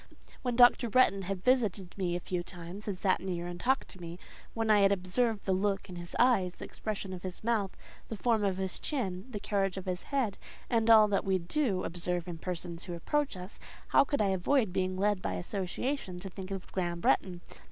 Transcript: When Dr. Bretton had visited me a few times, and sat near and talked to me; when I had observed the look in his eyes, the expression about his mouth, the form of his chin, the carriage of his head, and all that we do observe in persons who approach us—how could I avoid being led by association to think of Graham Bretton?